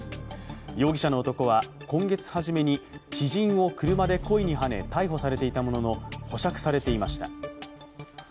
容疑者の男は、今月はじめに知人を車で故意にはね逮捕されていたものの保釈されていました。